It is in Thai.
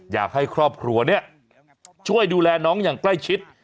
อยากให้ครอบครัวนี้ช่วยดูแลน้องอย่างใกล้ชิด